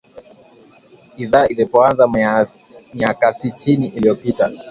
Idhaa ilipoanza miakasitini iliyopita